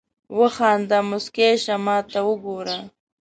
وخانده مسکی شه ماته وګوره